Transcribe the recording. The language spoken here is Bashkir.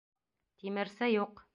Тимерсе юҡ.